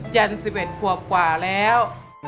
ยัน๑๑ภวบกว่าแล้ว